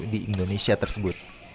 di indonesia tersebut